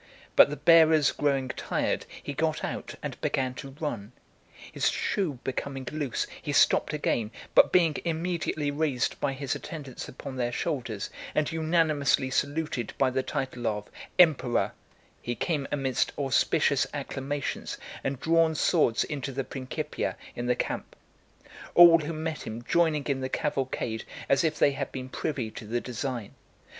But the bearers growing tired, he got out, and began to run. His shoe becoming loose, he stopped again, but being immediately raised by his attendants upon their shoulders, and unanimously saluted by the title of EMPEROR, he came amidst auspicious acclamations and drawn swords into the Principia in the camp; all who met him joining in the cavalcade, as if they had been privy to the design.